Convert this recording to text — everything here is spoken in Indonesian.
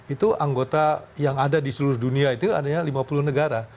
itu anggota yang ada di seluruh dunia itu adanya lima puluh negara